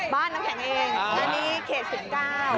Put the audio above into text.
น้ำแข็งเองอันนี้เขต๑๙